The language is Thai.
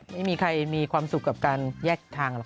ไม่มีใครมีความสุขกับการแยกทางหรอก